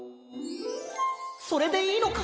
それでいいのか？